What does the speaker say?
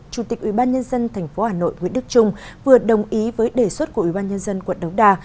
chủ tịch ubnd tp hà nội nguyễn đức trung vừa đồng ý với đề xuất của ubnd quận đống đà